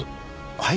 はい！